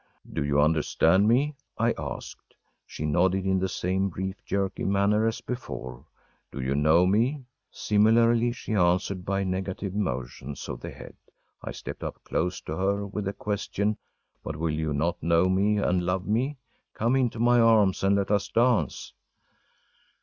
“Do you understand me?‚ÄĚ I asked. She nodded in the same brief, jerky manner as before. “Do you know me?‚ÄĚ Similarly she answered by negative motions of the head. I stepped up close to her with the question: “But will you not know me and love me? Come into my arms, and let us dance!